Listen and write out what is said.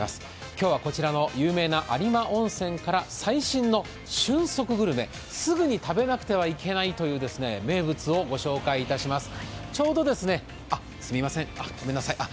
今日はこちらの有名な有馬温泉から最新の瞬速グルメ、すぐに食べなくてはいけないという名物を御紹介いたします。